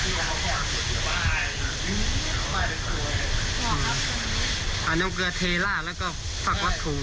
อันน้ำเกลือเทราะแล้วก็ผักวัดถู